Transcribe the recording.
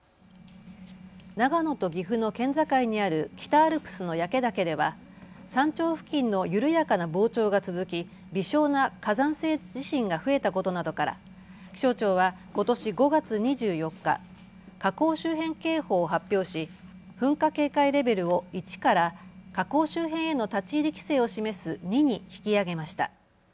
長野と岐阜の県境にある北アルプスの焼岳では山頂付近の緩やかな膨張が続き微小な火山性地震が増えたことなどから気象庁はことし５月２４日、火口周辺警報を発表し噴火警戒レベルを１から火口周辺への立ち入り規制を示す２に引き上げました。